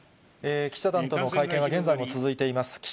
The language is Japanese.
記者団との会見は現在も続いています。